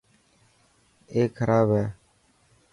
اي کراب هي.